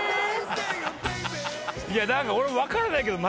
いやなんか俺もわからないけど。